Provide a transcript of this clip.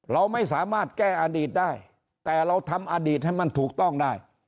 เราไม่สามารถแก้อดีตได้แต่เราทำอดีตให้มันถูกต้องได้